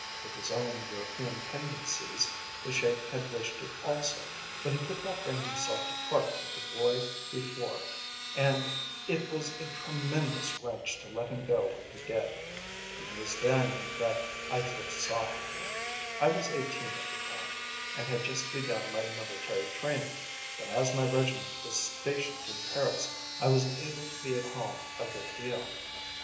With his own European tendencies the Sheik had wished it also, but he could not bring himself to part with the boy before, and it was a tremendous wrench to let him go when he did. It was then that I first saw him. I was eighteen at the time, and had just begun my military training, but as my regiment was stationed in Paris I was able to be at home a good deal.